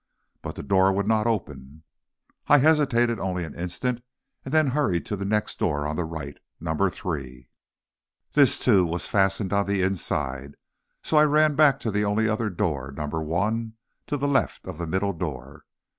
But the door would not open. I hesitated only an instant and then hurried to the door next on the right, number three. This, too, was fastened on the inside, so I ran back to the only other door, number one, to the left of the middle door.